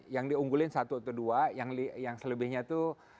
yang diunggulin satu atau dua yang selebihnya itu